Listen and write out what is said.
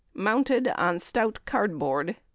Mounted on stout card board_.